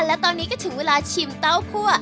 และตอนนี้ก็ถึงเวลาชิมเต้าคั่ว